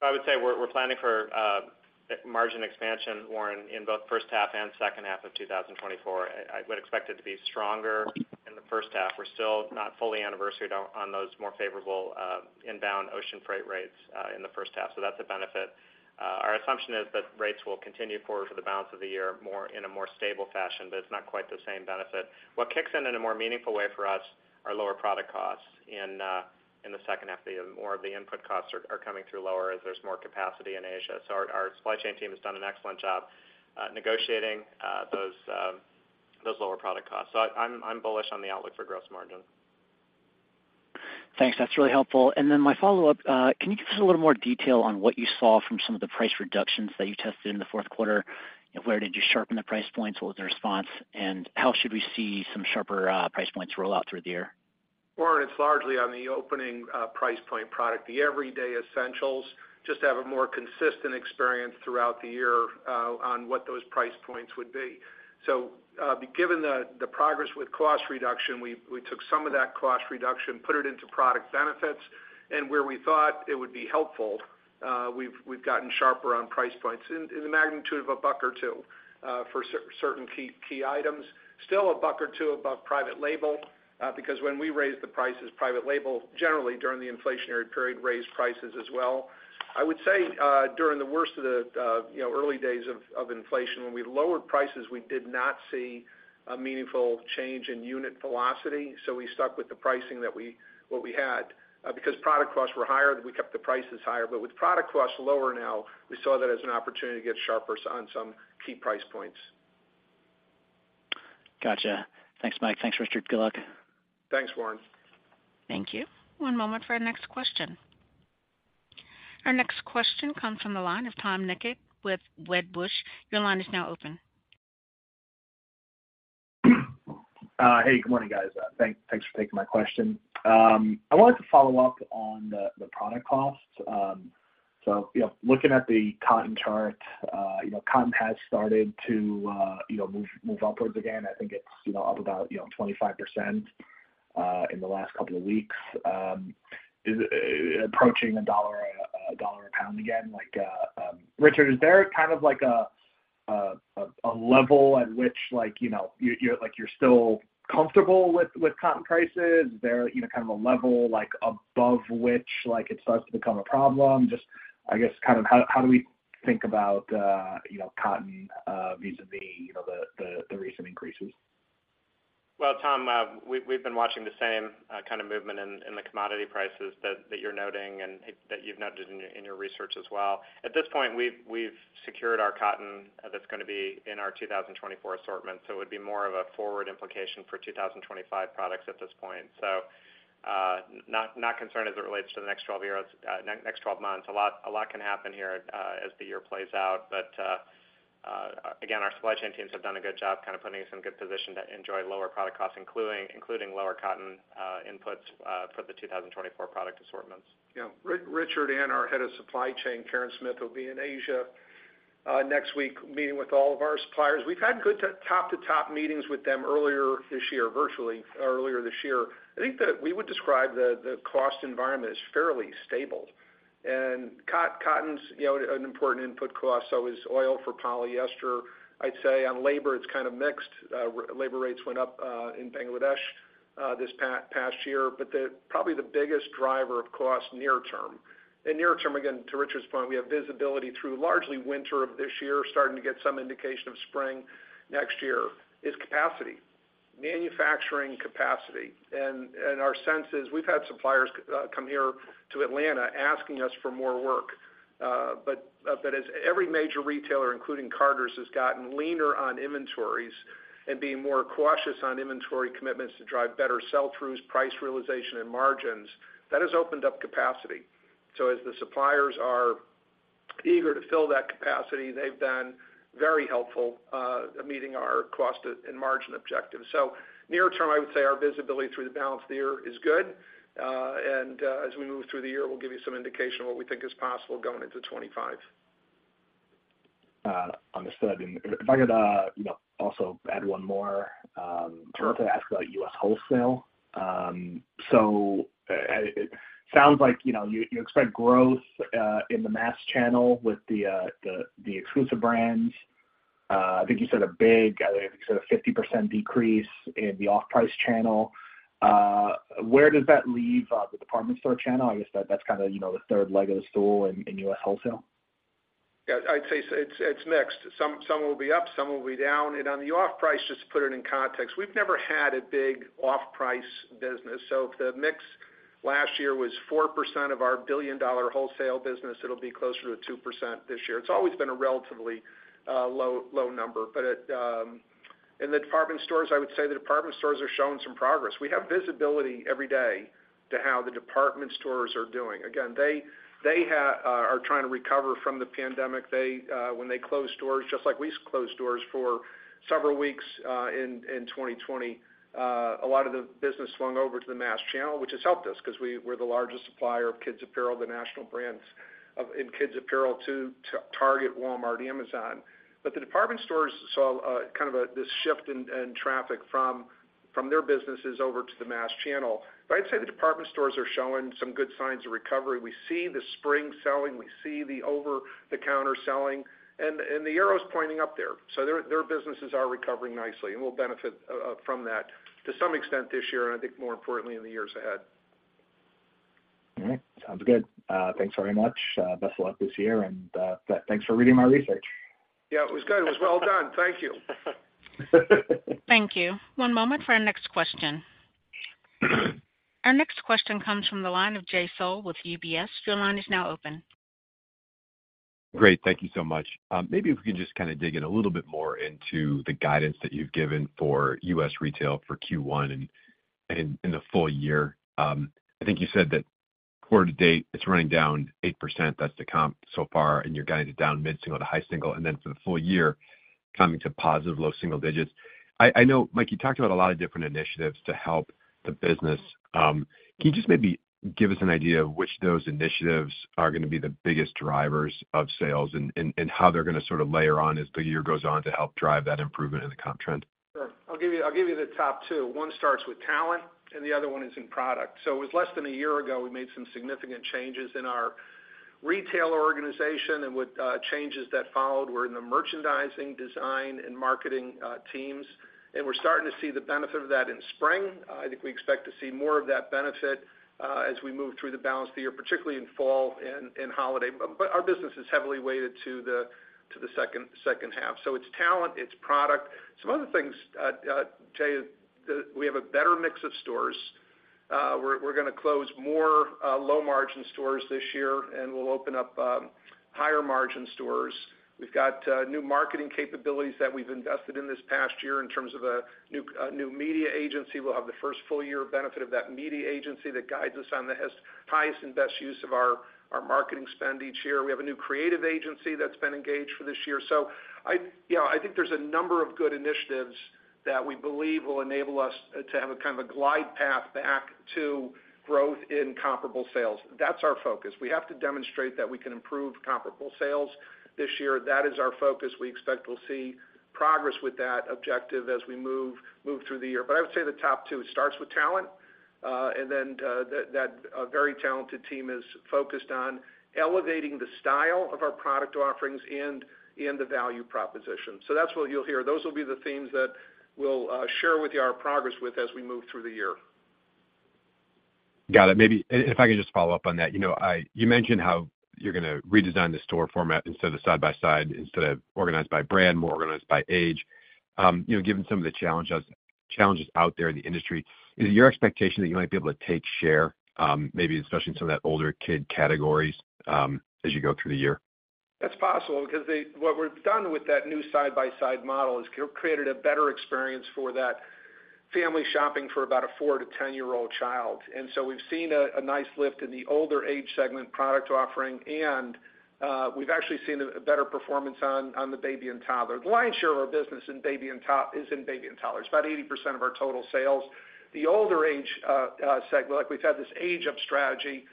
I would say we're planning for margin expansion, Warren, in both first half and second half of 2024. I would expect it to be stronger in the first half. We're still not fully anniversary on those more favorable inbound ocean freight rates in the first half. So that's a benefit. Our assumption is that rates will continue forward for the balance of the year more in a more stable fashion, but it's not quite the same benefit. What kicks in in a more meaningful way for us are lower product costs in the second half of the year. More of the input costs are coming through lower as there's more capacity in Asia. So our supply chain team has done an excellent job negotiating those lower product costs. So I'm bullish on the outlook for gross margin. Thanks. That's really helpful. And then my follow-up, can you give us a little more detail on what you saw from some of the price reductions that you tested in the fourth quarter? You know, where did you sharpen the price points? What was the response? And how should we see some sharper price points roll out through the year? Warren, it's largely on the opening, price point product, the everyday essentials, just to have a more consistent experience throughout the year, on what those price points would be. So, given the progress with cost reduction, we took some of that cost reduction, put it into product benefits, and where we thought it would be helpful, we've gotten sharper on price points in the magnitude of a buck or two, for certain key items. Still a buck or two above private label, because when we raised the prices, private label generally during the inflationary period raised prices as well. I would say, during the worst of the, you know, early days of inflation, when we lowered prices, we did not see a meaningful change in unit velocity. So we stuck with the pricing that we had, because product costs were higher, we kept the prices higher. But with product costs lower now, we saw that as an opportunity to get sharper on some key price points. Gotcha. Thanks, Mike. Thanks, Richard. Good luck. Thanks, Warren. Thank you. One moment for our next question. Our next question comes from the line of Tom Nikic with Wedbush. Your line is now open. Hey, good morning, guys. Thanks for taking my question. I wanted to follow up on the product costs. So, you know, looking at the cotton chart, you know, cotton has started to, you know, move upwards again. I think it's, you know, up about 25%, in the last couple of weeks. Is it approaching $1 a pound again? Like, Richard, is there kind of like a level at which, like, you know, you're like you're still comfortable with cotton prices? Is there, you know, kind of a level like above which, like, it starts to become a problem? Just, I guess, kind of how do we think about, you know, cotton, vis-a-vis, you know, the recent increases? Well, Tom, we've been watching the same kind of movement in the commodity prices that you're noting and that you've noted in your research as well. At this point, we've secured our cotton that's going to be in our 2024 assortment. So it would be more of a forward implication for 2025 products at this point. So, not concerned as it relates to the next 12 years, next 12 months. A lot can happen here, as the year plays out. But, again, our supply chain teams have done a good job kind of putting us in good position to enjoy lower product costs, including lower cotton inputs, for the 2024 product assortments. Yeah. Richard and our head of supply chain, Karen Smith, will be in Asia next week meeting with all of our suppliers. We've had good top-to-top meetings with them earlier this year, virtually, earlier this year. I think that we would describe the cost environment as fairly stable. And cotton's, you know, an important input cost, so is oil for polyester. I'd say on labor, it's kind of mixed. Labor rates went up in Bangladesh this past year. But probably the biggest driver of cost near-term and near-term, again, to Richard's point, we have visibility through largely winter of this year, starting to get some indication of spring next year, is capacity, manufacturing capacity. And our sense is we've had suppliers come here to Atlanta asking us for more work. But as every major retailer, including Carter's, has gotten leaner on inventories and being more cautious on inventory commitments to drive better sell-throughs, price realization, and margins, that has opened up capacity. So as the suppliers are eager to fill that capacity, they've been very helpful, meeting our cost and margin objectives. So near-term, I would say our visibility through the balance of the year is good. And, as we move through the year, we'll give you some indication of what we think is possible going into 25. On the third, and if I could, you know, also add one more, I wanted to ask about U.S. wholesale. So it sounds like, you know, you expect growth in the mass channel with the exclusive brands. I think you said a 50% decrease in the off-price channel. Where does that leave the department store channel? I guess that's kind of, you know, the third leg of the stool in U.S. wholesale. Yeah. I'd say it's mixed. Some will be up. Some will be down. And on the off-price, just to put it in context, we've never had a big off-price business. So if the mix last year was 4% of our billion-dollar wholesale business, it'll be closer to 2% this year. It's always been a relatively low number. But in the department stores, I would say the department stores are showing some progress. We have visibility every day to how the department stores are doing. Again, they are trying to recover from the pandemic. They, when they closed stores, just like we closed stores for several weeks, in 2020, a lot of the business swung over to the mass channel, which has helped us because we're the largest supplier of kids apparel, the national brands in kids apparel to Target, Walmart, Amazon. But the department stores saw a kind of this shift in traffic from their businesses over to the mass channel. But I'd say the department stores are showing some good signs of recovery. We see the spring selling. We see the over-the-counter selling. And the arrow's pointing up there. So their businesses are recovering nicely, and we'll benefit from that to some extent this year and I think more importantly in the years ahead. All right. Sounds good. Thanks very much. Best of luck this year. Thanks for reading my research. Yeah. It was good. It was well done. Thank you. Thank you. One moment for our next question. Our next question comes from the line of Jay Sole with UBS. Your line is now open. Great. Thank you so much. Maybe if we could just kind of dig in a little bit more into the guidance that you've given for U.S. retail for Q1 and in the full year. I think you said that quarter to date, it's running down 8%. That's the comp so far. You're guiding it down mid-single% to high-single%. Then for the full year, coming to positive low-single digits%. I know, Mike, you talked about a lot of different initiatives to help the business. Can you just maybe give us an idea of which those initiatives are going to be the biggest drivers of sales and how they're going to sort of layer on as the year goes on to help drive that improvement in the comp trend? Sure. I'll give you the top two. One starts with talent, and the other one is in product. So it was less than a year ago we made some significant changes in our retail organization. And with changes that followed, we're in the merchandising, design, and marketing teams. And we're starting to see the benefit of that in spring. I think we expect to see more of that benefit, as we move through the balance of the year, particularly in fall and holiday. But our business is heavily weighted to the second half. So it's talent. It's product. Some other things, Jay, we have a better mix of stores. We're going to close more low-margin stores this year, and we'll open up higher-margin stores. We've got new marketing capabilities that we've invested in this past year in terms of a new media agency. We'll have the first full year benefit of that media agency that guides us on the highest and best use of our marketing spend each year. We have a new creative agency that's been engaged for this year. So yeah, I think there's a number of good initiatives that we believe will enable us to have a kind of a glide path back to growth in comparable sales. That's our focus. We have to demonstrate that we can improve comparable sales this year. That is our focus. We expect we'll see progress with that objective as we move through the year. But I would say the top two. It starts with talent. And then a very talented team is focused on elevating the style of our product offerings and the value proposition. So that's what you'll hear. Those will be the themes that we'll share with you our progress with as we move through the year. Got it. Maybe if I can just follow up on that. You know, you mentioned how you're going to redesign the store format instead of side-by-side, instead of organized by brand, more organized by age. You know, given some of the challenges out there in the industry, is it your expectation that you might be able to take share, maybe especially in some of that older kid categories, as you go through the year? That's possible because what we've done with that new side-by-side model is created a better experience for that family shopping for about four to 10-year-old child. And so we've seen a nice lift in the older age segment product offering. And, we've actually seen a better performance on the baby and toddler. The lion's share of our business in baby and toddler is in baby and toddler. It's about 80% of our total sales. The older age segment, like, we've had this age-up strategy,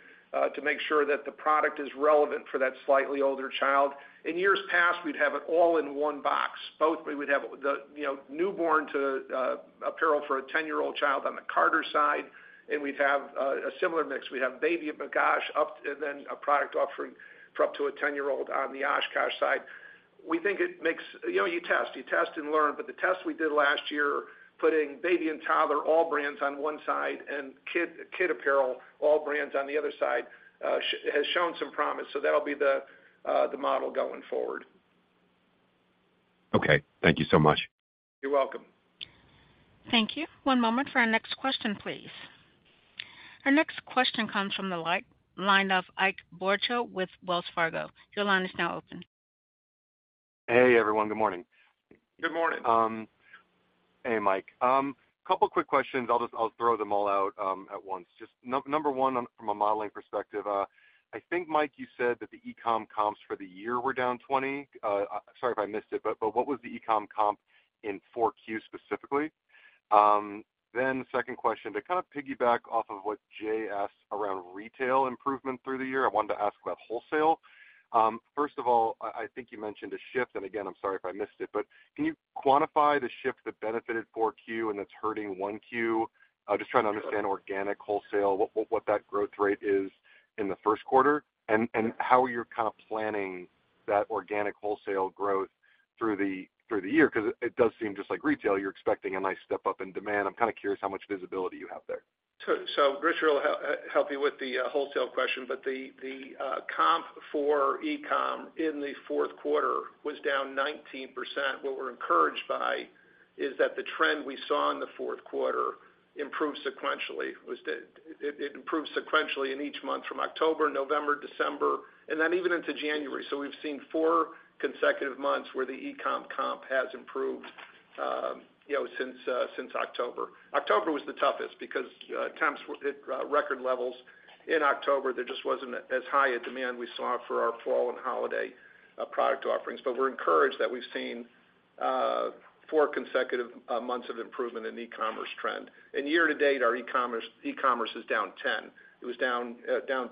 to make sure that the product is relevant for that slightly older child. In years past, we'd have it all in one box, both. We would have the, you know, newborn to apparel for a 10-year-old child on the Carter side. And we'd have a similar mix. We'd have Baby OshKosh up, and then a product offering for up to a 10-year-old on the OshKosh side. We think it makes—you know—you test. You test and learn. But the test we did last year, putting baby and toddler, all brands on one side, and kids' apparel, all brands on the other side, has shown some promise. So that'll be the, the model going forward. Okay. Thank you so much. You're welcome. Thank you. One moment for our next question, please. Our next question comes from the line of Ike Boruchow with Wells Fargo. Your line is now open. Hey, everyone. Good morning. Good morning. Hey, Mike. Couple of quick questions. I'll just I'll throw them all out at once. Just number one, from a modeling perspective, I think, Mike, you said that the e-com comps for the year were down 20%. Sorry if I missed it. But but what was the e-com comp in 4Q specifically? Then second question, to kind of piggyback off of what Jay asked around retail improvement through the year, I wanted to ask about wholesale. First of all, I I think you mentioned a shift. And again, I'm sorry if I missed it. But can you quantify the shift that benefited 4Q and that's hurting 1Q? I'm just trying to understand organic wholesale, what what what that growth rate is in the first quarter, and and how you're kind of planning that organic wholesale growth through the through the year because it does seem just like retail. You're expecting a nice step up in demand. I'm kind of curious how much visibility you have there. So, Richard, I'll help you with the wholesale question. But the comp for e-com in the fourth quarter was down 19%. What we're encouraged by is that the trend we saw in the fourth quarter improves sequentially. It was. It improves sequentially in each month from October, November, December, and then even into January. So we've seen four consecutive months where the e-com comp has improved, you know, since October. October was the toughest because temps hit record levels in October. There just wasn't as high a demand we saw for our fall and holiday product offerings. But we're encouraged that we've seen four consecutive months of improvement in the e-commerce trend. And year to date, our e-commerce is down 10. It was down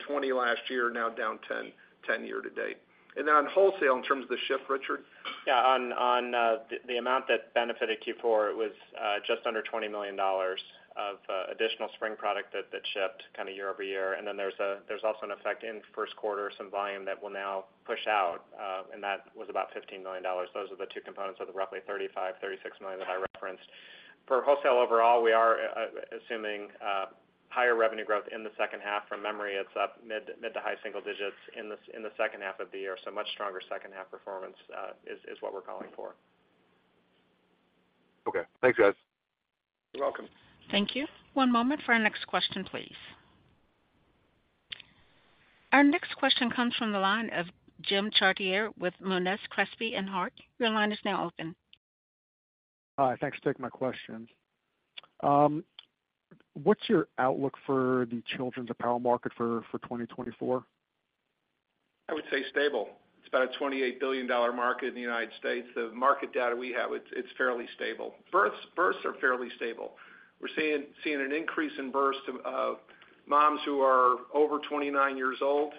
20 last year, now down 10, 10 year to date. On wholesale, in terms of the shift, Richard? Yeah. On the amount that benefited Q4, it was just under $20 million of additional spring product that shipped kind of year over year. And then there's also an effect in first quarter, some volume that will now push out, and that was about $15 million. Those are the two components of the roughly $35-$36 million that I referenced. For wholesale overall, we are assuming higher revenue growth in the second half. From memory, it's up mid- to high-single digits in the second half of the year. So much stronger second-half performance is what we're calling for. Okay. Thanks, guys. You're welcome. Thank you. One moment for our next question, please. Our next question comes from the line of Jim Chartier with Monness, Crespi and Hardt. Your line is now open. Hi. Thanks for taking my question. What's your outlook for the children's apparel market for 2024? I would say stable. It's about a $28 billion market in the United States. The market data we have, it's fairly stable. Births are fairly stable. We're seeing an increase in births of moms who are over 29 years old,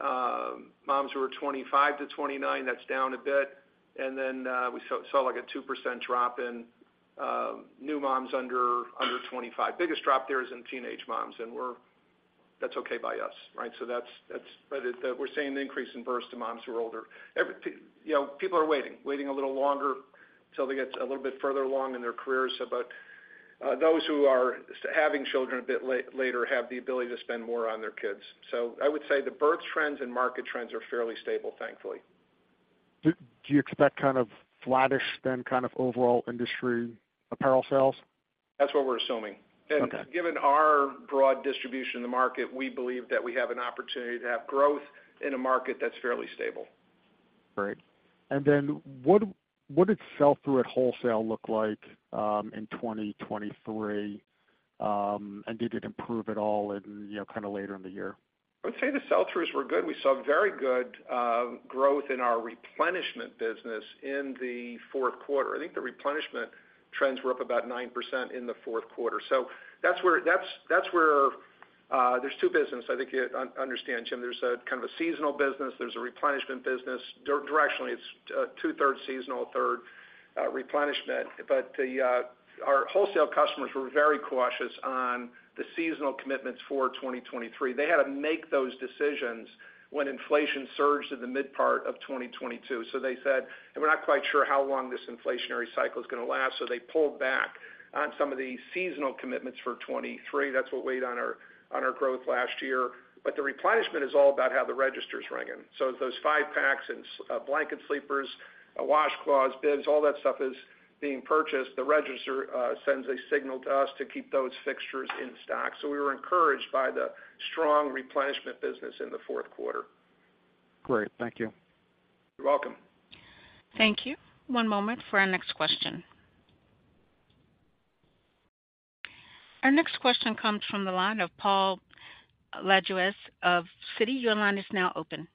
moms who are 25-29. That's down a bit. And then, we saw like a 2% drop in new moms under 25. Biggest drop there is in teenage moms. And that's okay by us, right? So that's but we're seeing an increase in births to moms who are older. You know, people are waiting a little longer till they get a little bit further along in their careers. But those who are having children a bit later have the ability to spend more on their kids. I would say the birth trends and market trends are fairly stable, thankfully. Do you expect kind of flattish, then, kind of overall industry apparel sales? That's what we're assuming. Given our broad distribution in the market, we believe that we have an opportunity to have growth in a market that's fairly stable. Great. And then what did sell-through at wholesale look like in 2023? And did it improve at all in, you know, kind of later in the year? I would say the sell-throughs were good. We saw very good growth in our replenishment business in the fourth quarter. I think the replenishment trends were up about 9% in the fourth quarter. So that's where there's two businesses. I think you understand, Jim. There's a kind of a seasonal business. There's a replenishment business. Directionally, it's two-thirds seasonal, a third replenishment. But our wholesale customers were very cautious on the seasonal commitments for 2023. They had to make those decisions when inflation surged in the mid-part of 2022. So they said, "And we're not quite sure how long this inflationary cycle is going to last." So they pulled back on some of the seasonal commitments for 2023. That's what weighed on our growth last year. But the replenishment is all about how the register's ringing. So those five packs and blanket sleepers, washcloths, bibs, all that stuff is being purchased. The register sends a signal to us to keep those fixtures in stock. So we were encouraged by the strong replenishment business in the fourth quarter. Great. Thank you. You're welcome. Thank you. One moment for our next question. Our next question comes from the line of Paul Lejuez of Citi. Your line is now open.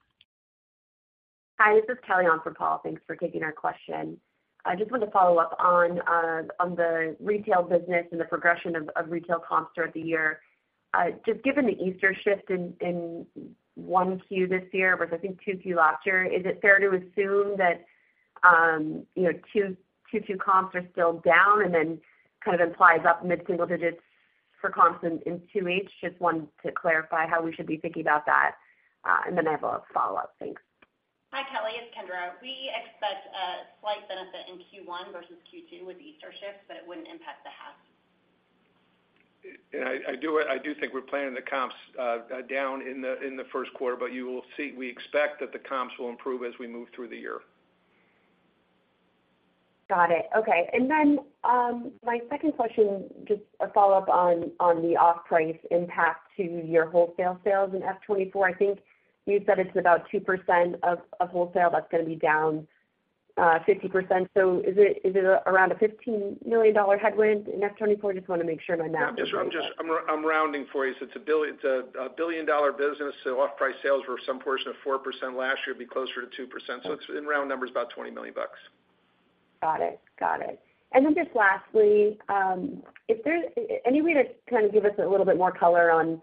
Hi. This is Kelly on from Paul. Thanks for taking our question. I just wanted to follow up on the retail business and the progression of retail comps throughout the year. Just given the Easter shift in 1Q this year versus, I think, 2Q last year, is it fair to assume that, you know, 2Q comps are still down and then kind of implies up mid-single digits for comps in 2H? Just wanted to clarify how we should be thinking about that. Then I have a follow-up. Thanks. Hi, Kelly. It's Kendra. We expect a slight benefit in Q1 versus Q2 with Easter shifts, but it wouldn't impact the half. I do think we're planning the comps down in the first quarter. But you will see we expect that the comps will improve as we move through the year. Got it. Okay. And then, my second question, just a follow-up on the off-price impact to your wholesale sales in F 2024. I think you said it's about 2% of wholesale. That's going to be down 50%. So is it around a $15 million headwind in F 2024? Just want to make sure my math. Yeah. I'm just rounding for you. So it's a billion-dollar business. So off-price sales were some portion of 4% last year. It'd be closer to 2%. So it's in round numbers, about $20 million. Got it. Got it. And then just lastly, is there any way to kind of give us a little bit more color on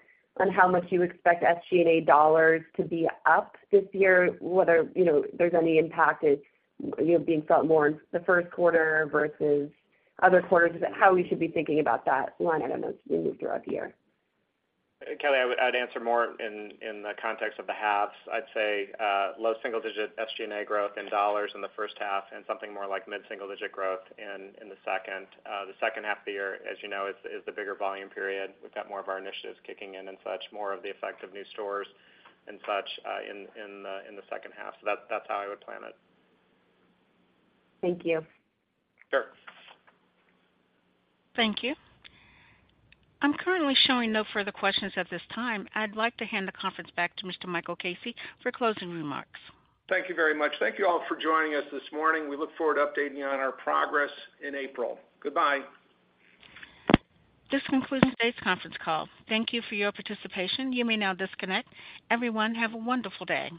how much you expect SG&A dollars to be up this year, whether, you know, there's any impact is, you know, being felt more in the first quarter versus other quarters? Is it how we should be thinking about that line item as we move throughout the year? Kelly, I would answer more in the context of the halves. I'd say, low-single-digit SG&A growth in dollars in the first half and something more like mid-single-digit growth in the second half of the year. As you know, it is the bigger volume period. We've got more of our initiatives kicking in and such, more of the effect of new stores and such, in the second half. So that's how I would plan it. Thank you. Sure. Thank you. I'm currently showing no further questions at this time. I'd like to hand the conference back to Mr. Michael Casey for closing remarks. Thank you very much. Thank you all for joining us this morning. We look forward to updating you on our progress in April. Goodbye. This concludes today's conference call. Thank you for your participation. You may now disconnect. Everyone, have a wonderful day.